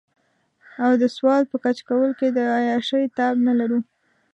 او د سوال په کچکول کې د عياشۍ تاب نه لرو.